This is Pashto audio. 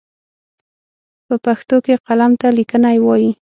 په پښتو کې قلم ته ليکنی وايي.